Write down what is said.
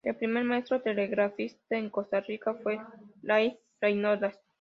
El primer maestro telegrafista en Costa Rica fue Lyman Reynolds.